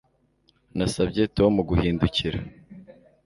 Nasabye Tom guhindukira